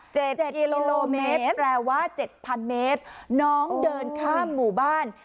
เจ็ดเจ็ดกิโลเมตรแปลว่าเจ็ดพันเมตรน้องเดินข้ามหมู่บ้าน